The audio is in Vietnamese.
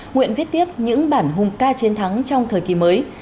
nguyện viết tiếp những bản hùng ca chiến thắng trong thời kỳ mới